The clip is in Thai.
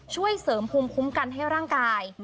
ช่วยเสริมภูมิคุ้มกันให้ร่างกาย